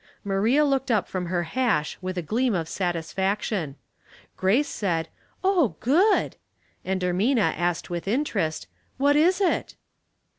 Maria looked up from her hash with a gleam of satisfaction. Grace said, ''Oh, good!" and Erraina asked with interest, " What is it?